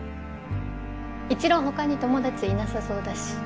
一狼他に友達いなさそうだし。